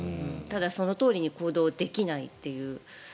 ただそのとおりに行動できないという。